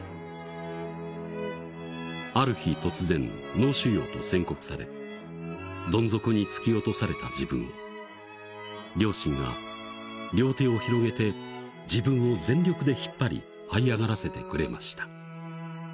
「ある日突然脳腫瘍と宣告されどん底に突き落とされた自分を両親が両手を広げて自分を全力で引っぱり這い上がらせてくれました」